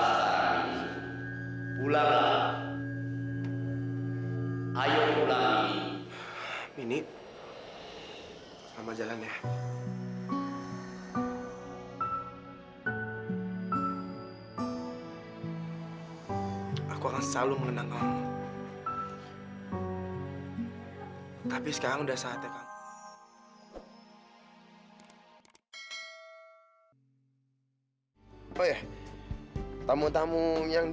sampai jumpa di video selanjutnya